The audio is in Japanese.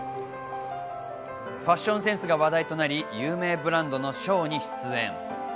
ファッションセンスが話題となり、有名ブランドのショーに出演。